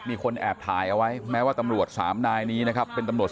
มีคนแอบถ่ายเอาไว้แม้ว่าตำรวจสามนายนี้นะครับเป็นตำรวจ